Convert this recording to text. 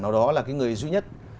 nào đó là cái người duy nhất